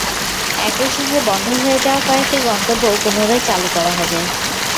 একই সঙ্গে বন্ধ হয়ে যাওয়া কয়েকটি গন্তব্য পুনরায় চালু করা হবে।